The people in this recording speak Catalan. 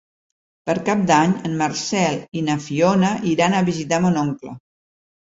Per Cap d'Any en Marcel i na Fiona iran a visitar mon oncle.